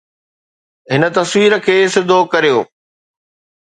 هن تصوير کي سڌو ڪريو